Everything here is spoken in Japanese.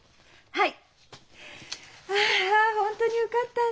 はい。